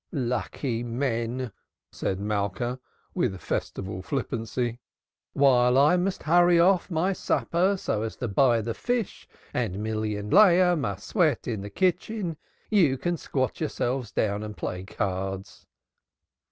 "Lucky men!" said Malka with festival flippancy. "While I must hurry off my supper so as to buy the fish, and Milly and Leah must sweat in the kitchen, you can squat yourselves down and play cards."